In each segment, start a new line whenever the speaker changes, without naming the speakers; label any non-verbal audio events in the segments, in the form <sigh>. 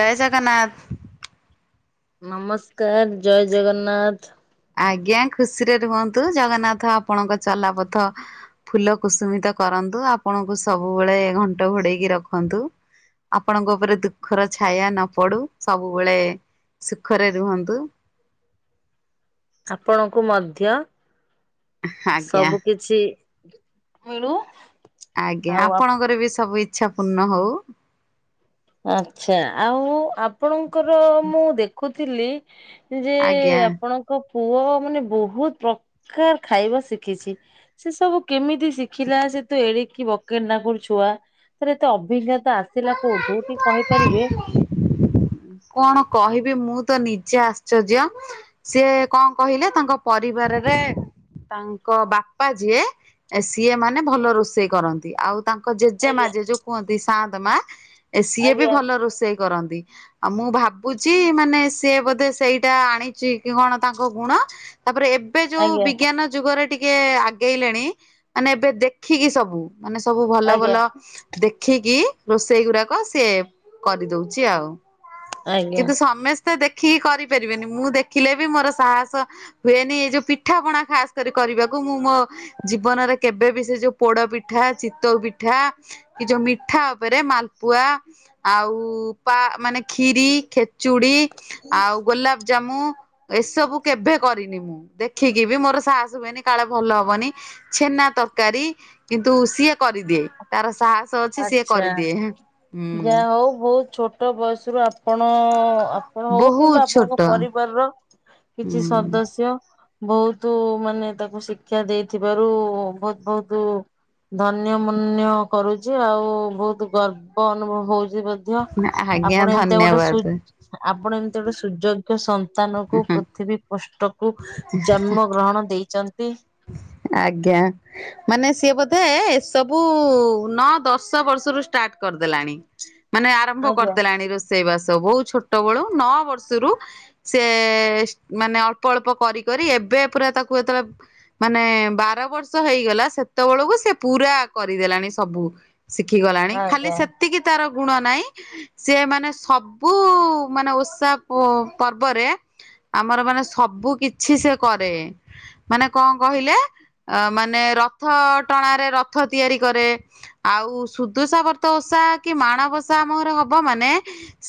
ଜୟ ଜଗନ୍ନାଥ।
ନମସ୍କାର ଜୟ ଜଗନ୍ନାଥ।
ଆଜ୍ଞା ଖୁସିରେ ରୁହନ୍ତୁ ଜଗନ୍ନାଥ ଆପଣଙ୍କ ଚଲାପଥ ଫୁଲ କୁସୁମିତ କରନ୍ତୁ ଆପଣଙ୍କୁ ସବୁବେଳେ ଘଣ୍ଟ ଘୋଡେଇକି ରଖନ୍ତୁ। ଆପଣଙ୍କ ଉପରେ ଦୁଃଖର ଛାୟା ନ ପଡୁ ସବୁବେଳେ ସୁଖରେ ରୁହନ୍ତୁ।
ଆପଣଙ୍କୁ ମଧ୍ୟ
ଆଜ୍ଞା
ସବୁ କି ଛି ମିଳୁ।
ଆଜ୍ଞା
ଆଉ
ଆପଣଙ୍କର ବି ସବୁ ଇଚ୍ଛା ପୂର୍ଣ୍ଣ ହଉ।
ଆଚ୍ଛା ଆଉ ଆପଣଙ୍କର ମୁଁ ଦେଖୁଥିଲି ଯେ
ଆଜ୍ଞା।
ଆପଣ କ ପୁଅ ମାନେ ବହୁତ ପ୍ରକାର ଖାଇବା ଶିଖିଛି। ସେ ସବୁ କେମିତି ଶିଖିଲା ସେ ତ ଏଡିକି ବକେନାଗୁର ଛୁଆ? ତରେ ଏତେ ଅଭିଜ୍ଞତା ଆସିଲା କୋଉଠୁ ଟିକେ କହିପାରିବେ।
କଣ କହିବି ମୁଁ ତ ନିଜେ ଆଶ୍ଚର୍ଯ୍ୟ? ସିଏ କଣ କହିଲେ ତାଙ୍କ ପରିବାରରେ ତାଙ୍କ ବାପା ଯିଏ ସିଏ ମାନେ ଭଲ ରୋଷେଇ କରନ୍ତି ଆଉ ତାଙ୍କ ଜେଜେମା
ଆଜ୍ଞା।
ଜେଜୋଉ କୁହନ୍ତି ସାନ୍ଦ ମା ସିଏ ବି
ଆଜ୍ଞା
ଭଲ ରୋଷେଇ କରନ୍ତି। ଆଉ ମୁଁ ଭାବୁଛି ମାନେ ସିଏ ବୋଧେ ସେଇଟା ଆଣିଛି କି କଣ ତାଙ୍କ ଗୁଣ ତାପରେ ଏବେ ଯୋଉ
ଆଜ୍ଞା
ବିଜ୍ଞାନ ଯୁଗରେ ଟିକେ ଆଗେଇଲେଣି ମାନେ ଏବେ ଦେଖିକି ସବୁ। ମାନେ ସବୁ ଭଲ
ଆଜ୍ଞା
ଭଲ ଦେଖିକି ରୋଷେଇ ଗୁଡାକ ସିଏ କରିଦଉଛି ଆଉ
ଆଜ୍ଞା
କିନ୍ତୁ ସମସ୍ ତେ ଦେଖିକି କରିପାରିବେନି ମୁଁ ଦେଖିଲେ ବି ମୋର ସାହସ ହୁଏନି ଏଇ ଯୋଉ ପିଠାପଣା ଖାସ କରି କରିବାକୁ ମୁଁ ମୋ ଜୀବନରେ କେବେ ବି ସେ ଯୋଉ ପୋଡ ପିଠା ଚିତଉ ପିଠା କି ଯୋଉ ମିଠା ଆଉ ପରେ ମାଲପୁଆ ଆଉ ପା ମାନେ ଖିରି ଖେ ଚୁଡ଼ି ଆଉ ଗୋଲାପ ଜାମୁ ଏସବୁ କେବେ କରିନି ମୁଁ ଦେଖିକି ବି ମୋର ସାହସ ହୁଏନି କାଳେ ଭଲ ହବନି। ଛେନା ତରକାରୀ କିନ୍ତୁ ସିଏ କରିଦିଏ ତାର ସାହସ ଅଛି ସିଏ
ଚା
କରିଦିଏ ହୁଁ
ଯାହା ହଉ ବହୁତ ଛୋଟ ବୟସରୁୁ ଆପଣ କଣ ହଉ କିମ୍ବା
ବହୁତ ଛୋଟ
ଆପଣଙ୍କ ପରିବାର ର କିଛି
ହୁଁ।
ସଦସ୍ୟ ବହୁତୁ ମାନେ ତାକୁ ଶିକ୍ଷା ଦେଇଥିବାରୁ ବହୁତ ବହୁତୁ ଧନ୍ୟ ମନ୍ୟ କରୁଛି ଆଉ ବହୁତ ଗର୍ବ ଅନୁଭବ ହଉଛି ଧ୍ୟ
ଆଜ୍ଞା
ଆପଣ ଏମିତି ଗୋଟେ ସୁ
ଧନ୍ୟବାଦ
ଆପଣ ଏମିତି ଗୋଟେ ସୁଯୋଗ୍ୟ ସନ୍ ସ୍ଥାନକୁ ପୃଥିବୀ ପୃଷ୍ଠକୁ ଜନ୍ମ ଗ୍ରହଣ ଦେଇଛନ୍ତି।
ଆଜ୍ଞା। ମାନେ ସିଏ ବୋଧେ ଏସବୁ ନଅ ଦଶ ବର୍ଷରୁ ଷ୍ଟାର୍ଟ କରିଦେଲାଣି। ମାନେ ଆରମ୍ଭ
ଆଜ୍ଞା
କରିଦେଲାଣି ରୋଷେଇ ବାସ ବହୁଉ ଛୋଟ ବେଳୁ ନଅ ବର୍ଷରୁ ସେ ମାନେ ଅଳ୍ପ ଅଳ୍ପ କରି କରି ଏବେ ପୁରା ତାକୁ ଯେତେବେଳେ ମାନେ ବାର ବର୍ଷ ହେଇଗଲା ସେତେବେଳକୁ ସେ ପୁରା କରିଦେଲାଣି ସବୁ। ଶିଖିଗଲାଣି ଖାଲି
ଆଜ୍ଞା
ସେତିକି ତାର ଗୁଣ ନାହିଁ ସିଏ ମାନେ ସବୁ ମାନେ ଉଷା ପୁ ପର୍ବରେ ଆମର ମାନେ ସବୁ କିଛି ସେ କରେ। ମାନେ କଣ କହିଲେ, ଅ ମାନେ ରଥ ଟଣାରେ, ରଥ ତିଆରି କରେ ଆଉ ସୁଦୁଷାବର୍ତ ଓଷା କି ମାଣବଷା ଆମ ଘରେ ହବ ମାନେ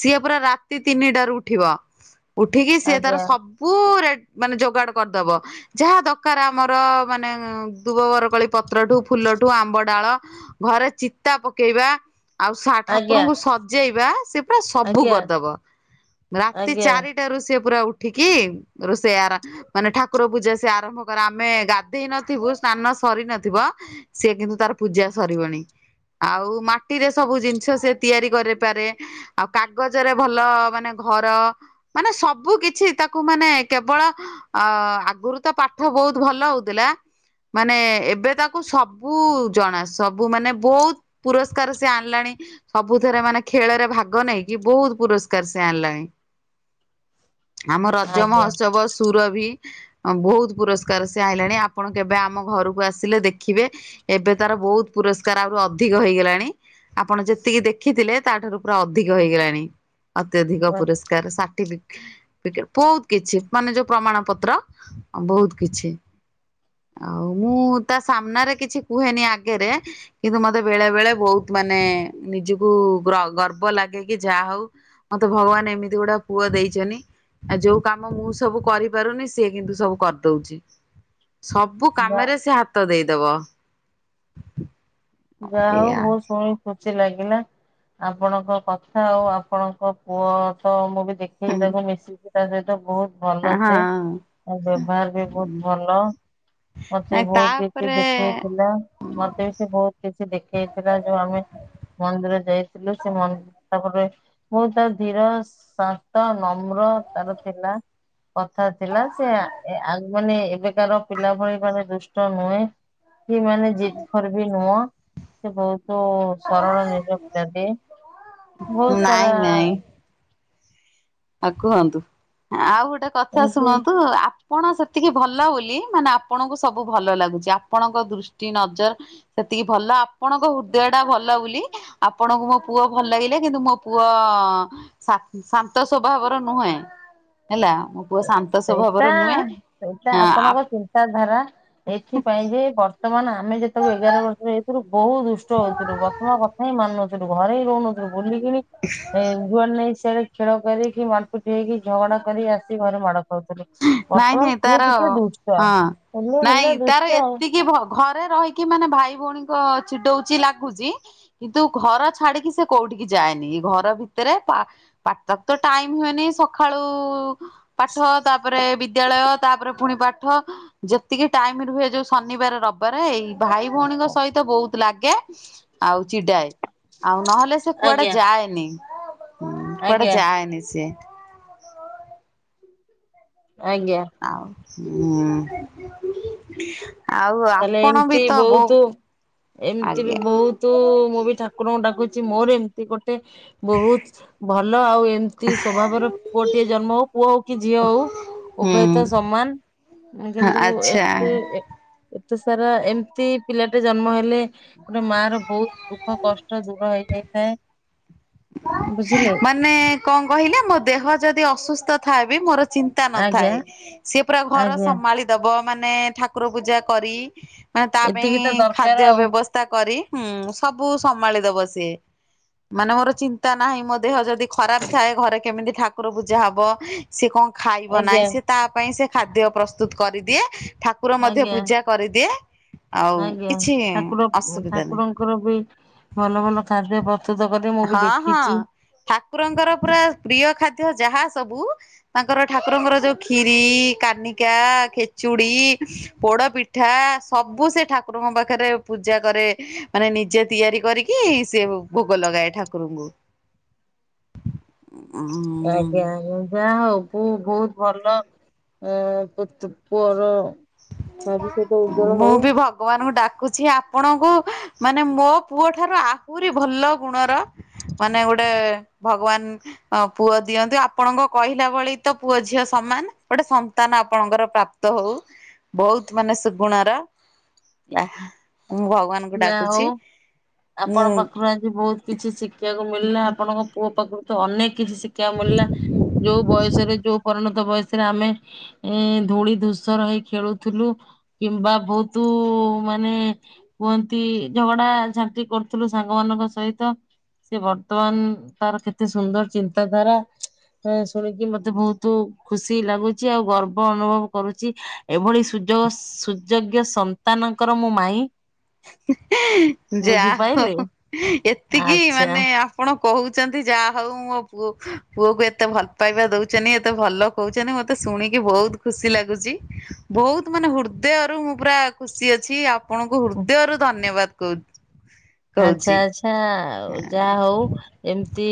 ସିଏ ପୁରା ରାତି ତିନିଟାରୁ ଉଠିବ। ଉଠିକି ସିଏ ତାର
ଆଜ୍ଞା
ସବୁ ରେ-ମାନେ ଯୋଗାଡ଼ କରିଦବ। ଯାହା କାର, ଆମର ମାନେ ଦୁବ ବରକଳି ପତ୍ରଠୁ, ଫୁଲଠୁ ଆମ୍ବ ଡାଳ ଘରେ ଚିତା ପକେଇବା ଆଉ
ଆଜ୍ଞା
ସା-ଠାକୁରଙ୍କୁ ସଜେଇବା ସେ ପୁରା ସବୁ
ଆଜ୍ଞା
କରିଦବ। ରାତି
ଆଜ୍ଞା
ଚାରିଟାରୁ ସିଏ ପୁରା ଉଠ ଠିକି ରୋଷେଇରା ମାନେ ଠାକୁର ପୂଜା ସେ ଆରମ୍ଭ ଆମେ ଗାଧେଇ ନଥିବୁ ସ୍ନାନ ସରି ନଥିବ ସି କିନ୍ତୁ ତାର ପୂଜା ସରିବଣି। ଆଉ ମାଟିରେ ସବୁ ଜିନିଷ ସେ ତିଆରି କରେଇପାରେ। ଆଉ କାଗଜରେ ଭଲ ମାନେ ଘର ମାନେ ସବୁ କିଛି ତାକୁ ମାନେ କେବଳ ଅ ଆଗରୁ ତ ପାଠ ବୋହୁତ୍ ଭଲ ହଉଥିଲା ମାନେ ଏବେ ତାକୁ ସବୁ ଜଣା ସବୁ ମାନେ ବୋହୁତ୍ ପୁରସ୍କାର ସେ ଆଣି ଲାଣି। ସବୁଥରେ ମାନେ ଖେଳରେ ଭାଗ ନେଇକି ବହୁତ ପୁରସ୍କାର ସେ ଆଣିଲାଣି। ଆମ ରଜ
ଆଜ୍ଞା
ମହୋତ୍ସବ ସୁର ବି ବୋହୁତ୍ ପୁରସ୍କାର ସେ ଆଇଲାଣି ଆପଣ କେବେ ଆମ ଘରକୁ ଆସିଲେ ଦେଖିବେ ଏବେ ତାର ବୋହୁତ୍ ପୁରସ୍କାର ଆହୁରି ଅଧିକ ହେଇଗଲାଣି। ଆପଣ ଯେତିକି ଦେଖିଥିଲେ ତାଠାରୁ ପୁରା ଅଧିକ ହେଇଗଲାଣି। ଅତ୍ୟଧିକ ପୁରସ୍କାର ସାର୍ଟିଫିକେଟ୍ ବୋହୁତ୍ କିଛି ମାନେ ଯୋଉ ପ୍ରମାଣ ପତ୍ର ବୋହୁତ୍ କିଛି। ଆଉ ମୁଁ ତା ସାମ୍ନାରେ କିଛି କୁହେନି ଆଗରେ କିନ୍ତୁ ମତେ ବେଳେ ବେଳେ ବହୁତ ମାନେ ନିଜକୁ ଗର୍ବ ଲାଗେ କି ଯାହା ହଉ ମତେ ଭଗବାନ ଏମିତି ଗୁଟା ପୁଅ ଦେଇଛନ୍ତି ଆଉ ଯୋଉ କାମ ମୁଁ ସବୁ କରିପାରୁନି ସିଏ କିନ୍ତୁ ସବୁ କରିଦଉଛି ସବୁ
ଯା
କାମରେ ସେ ହାତ ଦେଇଦବ।
ଯାହା ହଉ
ଏଇଆ।
ବୋ ଶୁଣି ଖୁସି ଲାଗିଲା, ଆପଣଙ୍କ କଥା ଆଉ ଆପଣଙ୍କ ପୁଅ ମୁଁ ବି ଦେଖିଲି
ହୁଁ।
ତାକୁ ମିଶିକି ତା ସହିତ ବୋହୁତ୍ ଭଲ
ହଁ
ସେ ତା ବ୍ୟବହାର ବି ବହୁତ୍ ଭଲ। ମତେ
ନାଇଁ
ବୋହୁତ୍ କିଛି
ତାପରେ
ଦେଖେଇଥିଲା। ମତେ ବି ସେ ବୋହୁତ୍ କିଛି ଦେଖେଇଥିଲା ଯୋଉ ଆମେ ମନ୍ଦିର ଯାଇଥିଲୁ ସେ ମନ୍ଦିର ତାପରେ ବହୁତ ଧୀର ଶାନ୍ତ ନମ୍ର ତାର ଥିଲା। କଥା ଥିଲା, ସେ ଆ ଆଗ୍ ମାନେ ଏବେକାର ପିଲା ଭଳି ମାନେ ଦୁଷ୍ଟ ନୁହେଁ, କି ମାନେ ଜିଦ୍ ଖୋର ବି ନୁହଁ। ସେ ବୋହୁତ୍ ସରଳ ନିରୀହ ପିଲାଟିଏ, ବହୁତ୍
ନାଇଁ
ସାରା
ନାଇଁ ଆଉ କୁହନ୍ତୁ। ଆଉ ଗୋଟେ କଥା
ଏମିତି
ଶୁଣନ୍ତୁ ଆପ୍ ଆପଣ ସେତିକି ଭଲ ବୋଲି, ମାନେ ଆପଣଙ୍କୁ ସବୁ ଭଲ ଲାଗୁଚି। ଆପଣଙ୍କ ଦୃଷ୍ଟି ନଜର୍ ସେତିକି ଭଲ, ଆପଣଙ୍କ ହୃଦୟ ଟା ଭଲ ବୋଲି, ଆପଣଙ୍କୁ ମୋ ପୁଅ ଭଲ ଲାଗିଲେ। କିନ୍ତୁ ମୋ ପୁଅ ଶା- ଶାନ୍ତ ସ୍ୱଭାବର ନୁହେଁ। ହେଲା ପୁଅ ଶାନ୍ତ ସ୍ୱାଭାବର
ସେଇଟା
ନୁହେଁ। ଆପ
ତା ଧାରା ଏଥିପାଇଁ ଯେ ବର୍ତ୍ତମାନ ଆମେ ଯେତେବେଳେ ଏଗାର ବର୍ଷ ଏଇଥିରୁ ବୋହୁତ୍ ଦୁଷ୍ଟ ହଉଥିଲୁ ବାପାମା କଥା ହିଁ ମାନୁ ନଥିଲୁ, ଘରେ ହିଁ ରହୁନଥିଲୁ, ବୁଲିକିଣି
ଇସ୍।
ଏ ଯୁଆଡେ ନାଇଁ ସିଆଡେ ଖେଳ କରିକି ମାର୍ ପିଟି ହେଇକି ଝଗଡା କରି ଆସି ଶି ଘରେ ମାଡ ଖାଉଥିଲୁ।
ନାଇଁ
ବର୍ତ୍ତମାନ
ନାଇଁ
ସିଏ
ତାର
ଟିକେ ଦୁଷ୍ଟ।
ହଁ।
ହେଲେ ହେଲା
ନାଇଁ ତାର
ଦୁଷ୍ଟ।
ଏତିକି ଭ ଘରେ ରହିକି ମାନେ ଭାଇ ଭଉଣୀଙ୍କ ଚିଡଉଚି ଲାଗୁଚି କିନ୍ତୁ ଘର ଛାଡିକି ସେ କୋଉଠିକି ଯାଏନି ଘର ଭିତରେ ପା ପାତକ୍ ତ ଟାଇମ୍ ହୁଏନି ସକ୍ ସଖାଳୁ ପାଠ ତାପରେ ବିଦ୍ୟାଳୟ ତାପରେ ପୁଣି ପାଠ ଯେତିକି ଟାଇମ୍ ରୁହେ ଯୋଉ ଶନିବାର ରବିବାର ଏଇ ଭାଇ ଭଉଣୀଙ୍କ
ଆଉ।
ସହିତ ତ ବହୁତ୍ ଲାଗେ। ଆଉ ଚିଡାଏ ଆଉ ନହେଲେ ସେ କୁଆଡେ
ଆଜ୍ଞା
ଯାଏନି। ହୁଁ କୁଆଡେ
ଆଜ୍ଞା
ଯାଏନି ସେ।
ଆଜ୍ଞା।
ଆଉଁ ସେ
ତାହେଲେ ଏମତି ବହୁତୁ ଏମତି ବି
ଆଜ୍ଞା।
ବହୁତ୍ ତୁ ମୁଁ ବି ଠାକୁରଙ୍କୁ ଡାକୁଚି ମୋର ଏମତି ଗୋଟେ ବହୁତ୍ ଭଲ ଆଉ ଏମ୍ ତି ସ୍ଵଭାବର ପୁଅଟିଏ ଜନ୍ମ ହଉ। ପୁଅ ହଉ କି ଝିଅ ହଉ
ହୁଁ।
ଉଭୟ ତ ସମାନ। କିନ୍ତୁ
ଆଚ୍ଛା।
ଏତେ ଏତେ ସାରା ଏମତି ପିଲାଟେ ଜନ୍ମ ହେଲେ ଗୋଟେ ମାଆ ର ବହୁତ୍ ଦୁଃଖ କଷ୍ଟ ଦୂର ହେଇଯାଇଥାଏ। ବୁଝିଲେ
ମାନେ କଣ କହିଲେ ମୋ ଦେହ ଯଦି ଅସୁସ୍ଥ ଥାଏ ବି ମୋର ଚିନ୍ ତା
ଆଜ୍ଞା
ନଥାଏ ସିଏ ପୁରା ଘର
ଆଜ୍ଞା
ସମାଳି ଦବ ମାନେ ଠାକୁର ପୂଜା କରି ମାନେ ତା
ଏତିକି
ପାଇଁ
ତ
ଖାଦ୍ୟ
ଦରକାର ଆଉ
ବ୍ୟବସ୍ ତା କରି ହୁଁ ସବୁ ସମାଳିଦବ ସିଏ ମାନେ ମୋର ଚିନ୍ତା ନାହିଁ ମୋ ଦେହ ଯଦି ଖରାପ ଥାଏ ଘରେ କେମିତି ଠାକୁର ପୂଜା ହବ ସିଏ କଁ ଖାଇବ ନାହିଁ
ଆଜ୍ଞା
ସେ ତା ପାଇଁ ସେ ଖାଦ୍ୟ ପ୍ରସ୍ତୁତ କରିଦିଏ। ଠାକୁର ମଧ୍ୟ
ଆଜ୍ଞା।
ପୂଜା କରିଦିଏ। ଆଉ
ଆଜ୍ଞା
କିଛି ଅସୁବିଧା ନାହିଁ।
ଠାକୁରଙ୍କର ଠାକୁର ବି ଭଲ ଭଲ ଖାଦ୍ୟ ପ୍ର <unintelligible>
ହଁ ହଁ ଠାକୁରଙ୍କର ପୁରା ପ୍ରିୟ ଖାଦ୍ୟ ଯାହା ସବୁ ତାଙ୍କର ଠାକୁରଙ୍କର ଯୋଉ କ୍ଷିରି କାନିକା ଖେଚୁଡି ପୋଡ ପିଠା ସବୁ ସେ ଠାକୁରଙ୍କ ପାଖରେ ପୂଜା କରେ ମାନେ ନିଜେ ତିଆରି କରିକି। କିଏଇ ସେ ଭୋଗ ଲଗାଏ ଠାକୁରଙ୍କୁ
ଆଜ୍ଞା
ଉଁ
ଆଉ ଯା ହଉ। ପୁଅ ବହୁତ୍ ଭଲ ଏଁ ପୁତ୍ ପୁଅର ଭବିଷ୍ୟତ ଉଜ୍ଜଳ
ମୁଁ
ହଉ।
ବି ଭ ଭଗବାନଙ୍କୁ ଡାକୁଛି ଆପଣଙ୍କୁ ମାନେ ମୋ ପୁଅ ଠାରୁ ଆହୁରି ଭଲ ଗୁଣର ମାନେ ଗୋଟେ ଭଗବାନ ହ ପୁଅ ଦିଅନ୍ତୁ ଆପଣଙ୍କ କହିଲା ଭଳି ତ ପୁଅ ଝିଅ ସମାନ ଗୋଟେ ସନ୍ତାନ ଆପଣଙ୍କର ପ୍ରା ତ ହଉ ବହୁତ ମାନେ ସେ ଗୁଣର ଲା ମୁଁ ଭଗବାନଙ୍କୁ
ଯାହା
ଡାକୁଛି।
ହଉ ଆପଣ
ମୁଁ
ପାଖରୁ ଆଜି ବହୁତ କିଛି ଶିଖିବାକୁ ମିଳିଲା ଆପଣଙ୍କ ପୁଅ ପାଖରୁ ତ ଅନେକ କିଛି ଶିଖଷିବାକୁ ମିଳିଲା ଯୋଉ ବୟସରେ ଯୋଉ ପରିଣତ ବୟସରେ ଆମେ ଏ ଧୂଳି ଧୂସ ରହିଇ ଖେଳୁଥିଲୁ କିମ୍ବା ବହୁତ ମାନେ କୁହନ୍ତି ଝଗଡା ଝାଟି କରୁଥିଲୁ ସାଙ୍ଗ ମାନଙ୍କ ସହିତ ସେ ବର୍ତ୍ତମାନ ତାର କେତେ ସୁନ୍ଦର ଚିନ୍ତାଧାରା। ହ ଶୁଣିକି ମତେ ବହୁତ ଖୁସି ଲାଗୁଛି ଆଉ ଗର୍ବ ଅନୁଭବ କରୁଛି ଏଭଳି ସୁ ସୁଯୋଗ ସୁଯୋଗ୍ୟ ସନ୍ତାନଙ୍କର ମୁଁ ମାଇଁ। ବୁଝିପାଇଲେ
ଯାହ ଏତିକି
ଆଚ୍ଛା।
ମାନେ ଆ ଆପଣ କହୁଛନ୍ତି ଯା ହଉ ମୋ ପୁଅ ପୁଅକୁ ଏତେ ଭଲ ପାଇବା ଦଉଚନି ଏତେ ଭଲ କହୁଚନ୍ତି ମତେ ଶୁଣିକି ବହୁତ୍ ଖୁସି ଲାଗୁଚି ବହୁତ୍ ମାନେ ହୃଦୟରୁ ମୁଁ ପୁରା ଖୁସି ଅଛି ଆପଣଙ୍କୁ ହୃଦୟରୁ ଧନ୍ୟବାଦ କହୁଚି।
ଆଚ୍ଛା ଆଚ୍ଛା ଯାହା ହଉ ଏମିତି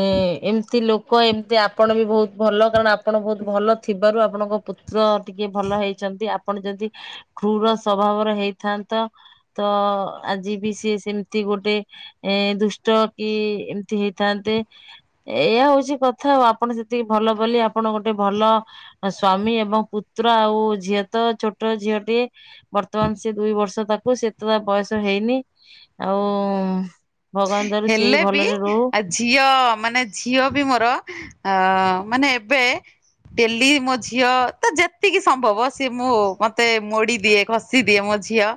ଏ ଏମତି ଲୋକ ଏମତି ଆପଣ ବି ବହୁତ ଭଲ କାରଣ ଆପଣ ବହୁତ ଭଲ ଥିବାରୁ ଆପଣଙ୍କ ପୁ ପତ୍ର ଟିକେ ଭଲ ହେଇଛନ୍ତି। ଆପଣ ଯଦି କ୍ରୁର ସଵଭାବର ହେଇଥାନ୍ତ ତ ଆଜି ବି ସି ସେମିତି ଗୋଟେ ଏ ଦୁଷ୍ଟ କି ଏମିତି ହେଇଥାନ୍ତେ ଏଇୟଆ ହଉଛି କଥା ଆଉ ଆପଣ ସେତିକି ଭଲ ବୋଲି ଆପଣ ଗୋଟେ ଭଲ- ସ୍ଵାମୀ ଏବଂ ପୁତ୍ର ଆଉ ଝିଅ ତ ଛୋଟ ଝିଅଟି- ବର୍ତ୍ତମାନ ସେ ଦୁଇ ବର୍ଷ ତାକୁ ସେତେଟ ବୟସ ହେଇନି ଆଉ। ଭଗବାନ ତର ସେଇ
ହେଲେ ବି
ଭଲରେ ରହୁ।
ଆ ଝିଅ ମାନେ ଝିଅ ବି ମୋର ଅ ମାନେ ଏବେ- ଡେଲି ମୋ ଝିଅ ତ ଯେତିକି ସମ୍ଭବ ସିଏ ମୁଁ ମତେ ମୋଡି ଦିଏ ଖସି- ଦିଦି ଦିଏ ମୋ ଝିଅ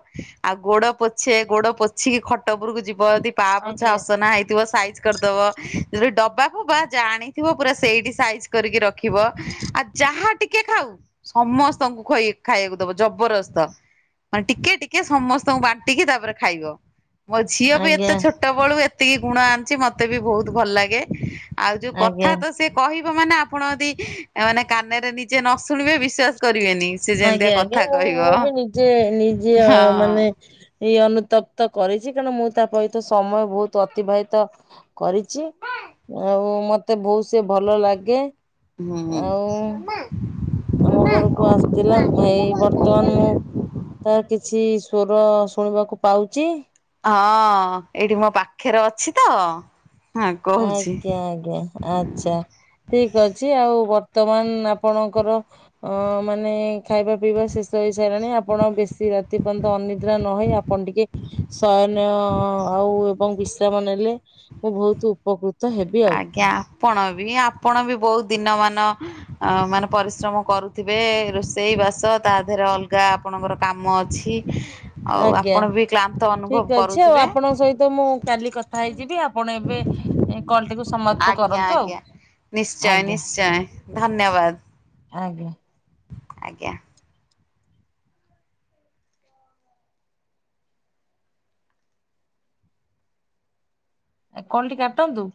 ଆଉ ଗୋଡ ପୋଛେ ଗୋଡ ପୋଛିକି ଖଟ ଉପୁରରକୁ ଯିବି। ପା ପୋଛା
ଆଜ୍ଞା।
ଅସନା ହେଇଥିବ ସାଇଜ- କରିଦବ। ଯଦି ଡବା ଫବା ଯା ଆଣିଥିବ ପୁରା ସେଇଠି ସାଇଜ କରିକି ରଖିବ। ଆଉ ଯାହା ଟିକେ- ଟିକେ ଖାଉ ସମସ୍ତଙ୍କୁ ଖାଇବାକୁ ଦବ ଜବରଦସ୍ତ। ମାନେ ଟିକେ ଟିକେ ସମସ୍ତଙ୍କୁ ବାଣ୍ଟିକି ତାପରେ ଖାଇବ। ମୋ ଝିଅ ବି
ଆଜ୍ଞା
ଏତେ ଛୋଟ ବେଳୁ ଏତିକି ଗୁଣ ଆଣିଛି ମତେ ବି ବହୁତ ଭଲ ଲାଗେ। ଆଉ ଯୋଉ
ଆଜ୍ଞା।
କଥା ତ ସେ। କହିବ ମାନେ ଆପଣ ଯଦି ମାନେ କାନରେ ନିଜେ ନ ଶୁଣିବେ ବିଶ୍ଵାସ କରିବେନି। ସେ ଯେମିତିଆ
ଆଜ୍ଞା ଆଜ୍ଞା
କଥା
ମୁଁ
କହିବ।
ମୁଁ ବି ନିଜେ ନିଜେ
ହଁ
ମାନେ। ଏଇ ଅନୁତାପ୍ତ କରିଛି କାରଣ ମୁଁ ତା ପାଇଁହିତ ସମୟ ବହୁତ ଅତିବାହିତ। କରିଛି। ଆଉ ମତେ ବହୁତ ସେ ଭଲ ଲାଗେ।
ହୁଁ ହଁ।
ଆଉ ଆମ ଘରକୁ ଆସିଥିଲା। ହେଇ ବର୍ତ୍ତମାନ ମୁଁ- ତାର କିଛି ସ୍ଵର ଶୁଣିବାକୁ ପାଉଛି।
ହଁ ଏଇଠି ମୋ ପାଖରେ ଅଛି ତ ହଁ କହୁଛି।
ଆଜ୍ଞା ଆଜ୍ଞା। ଆଚ୍ଛା ଠିକ ଅଛି ଆଉ ବର୍ତ୍ତମାନ ଆପଣଙ୍କର- ଅ ମାନେ ଖାଇବା ପିଇବା ଶେଷ ହେଇ ସାରିଲାଣି ଆପଣ ବେଶୀ ରାତି ପର୍ଯ୍ୟନ୍ତ ଅନିଦ୍ରା ନହଇ ଆପଣ ଟିକେ- ସୟନ ଆଉ ଏବଂ ବିଶ୍ରାମ ନେଲେ ମୁଁ ବହୁତ ଉପକୃତ- ହେବି ଆଉ
ଆଜ୍ଞା ଆପଣ ବି ଆପଣ ବି ବହୁତ ଦିନ ମାନ- ଅ ମାନେ ପରିଶ୍ରମ କରୁଥିବେ ରୋଷେଇ ବାସ ତା ଦେହରେ ଅଲଗା ଆପଣଙ୍କର କାମ ଅଛି। <inaudible>
ଆଜ୍ଞା
ଆପଣ ବି କ୍ଳାନ୍ତ ଅନୁଭବ
ଠିକ ଅଛି ଆଉ
କରୁଥିବେ
ଆପଣଙ୍କ ସହିତ ମୁଁ କାଲି କଥା- ହେଇ ଯିବି ଆପଣ ଏବେ। ଏଇ କଲଟିକୁ ସମୟ।
ଆଜ୍ଞା ଆଜ୍ଞା ନିଶ୍ଚୟ ନିଶ୍ଚୟ ଧନ୍ୟବାଦ।
ଆଜ୍ଞା।
ଆଜ୍ଞା।
କଲ୍ ଟି କାଟନ୍ତୁ।